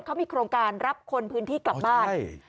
เขามีโครงการรับคนพื้นที่กลับบ้าน